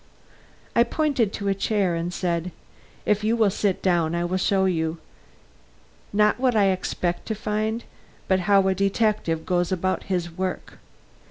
I pointed to a chair and said: "If you will sit down, I will show you, not what I expect to find, but how a detective goes about his work.